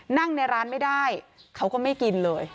นั่งในร้านไม่ได้เขาก็ไม่กินเลย